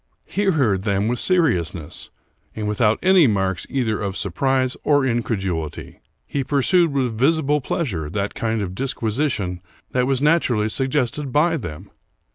He heard them with seriousness, and without any marks either of surprise or increduHty. He pursued with visible pleasure that kind of disquisition which was naturally sug gested by them.